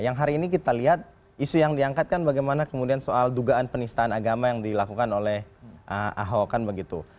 yang hari ini kita lihat isu yang diangkatkan bagaimana kemudian soal dugaan penistaan agama yang dilakukan oleh ahok kan begitu